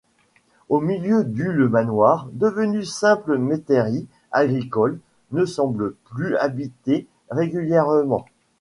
Au milieu du le manoir, devenu simple métairie agricole, ne semble plus habité régulièrement.